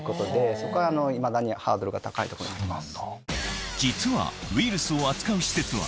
そこはいまだにハードルが高いとこになります。